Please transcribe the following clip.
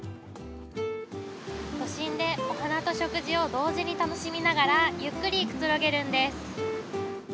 都心でお花と食事を同時に楽しみながら、ゆっくりくつろげるんです。